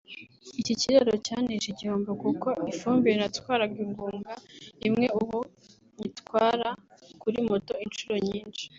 Iki kiraro cyanteje igihombo kuko ifumbire natwaraga ingunga imwe ubu nyitwara kuri moto inshuro nyinshi